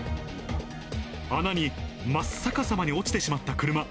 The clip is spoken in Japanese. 穴に真っ逆さまに落ちてしまった車。